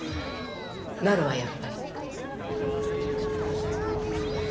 なるわやっぱり。